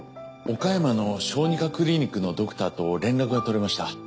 岡山の小児科クリニックのドクターと連絡が取れました。